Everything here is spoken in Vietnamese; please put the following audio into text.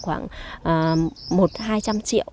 khoảng một hai trăm linh triệu